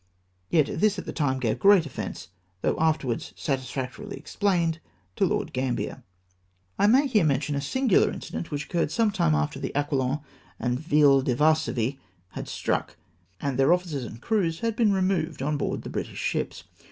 Yet this at the time gave great offence, though afterwards satisfactorily explained, to Lord Gambler. I may here mention a singular incident which oc curred some time after the Aquilo?i and Ville de Varsovie had struck, and after their officers and crews had been removed on board the British ships.